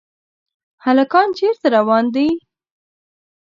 هلکان چېرته روان دي ؟